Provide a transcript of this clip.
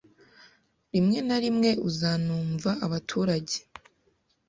Rimwe na rimwe uzanumva abaturage